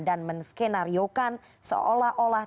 dan menskenariokan seolah olah